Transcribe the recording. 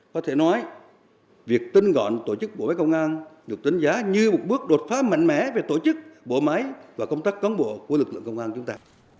có thể nói việc tinh gọn tổ chức bộ máy công an được đánh giá như một bước đột phá mạnh mẽ về tổ chức bộ máy và công tác cán bộ của lực lượng công an chúng ta